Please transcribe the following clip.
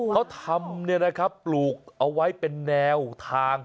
เขาทำปลูกเอาไว้เป็นแนวทาง